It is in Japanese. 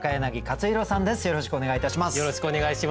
よろしくお願いします。